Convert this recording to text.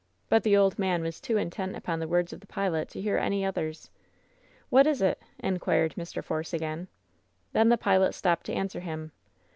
But the old man was too intent upon the words of the pilot to hear any others. "What is it?" inquired Mr. Force again. Then the pilot stopped to answer him.